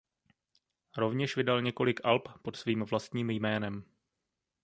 Rovněž vydal několik alb pod svým vlastním jménem.